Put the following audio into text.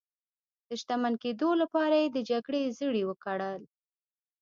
د شتمن کېدو لپاره یې د جګړې زړي وکرل.